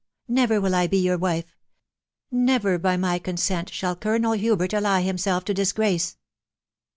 never will I be your wife !.... never, by my consent, shall Colonel Hubert ally himself to disgrace